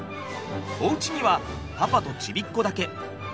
おうちにはパパとちびっこだけ。